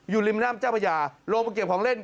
อยู่ริมแม่น้ำเจ้าพระยาลงมาเก็บของเล่น